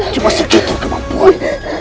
cuma segitu kemampuan